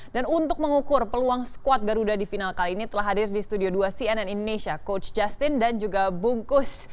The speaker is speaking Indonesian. dan untuk mengukur peluang squad garuda di final kali ini telah hadir di studio dua cnn indonesia coach justin dan juga bungkus